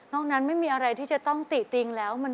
นั้นไม่มีอะไรที่จะต้องติติงแล้ว